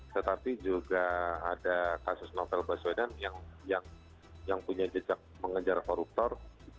tetapi juga ada kasus novel baswedan yang punya jejak mengejar koruptor